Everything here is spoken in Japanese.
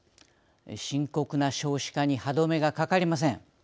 深刻な少子化に歯止めがかかりません。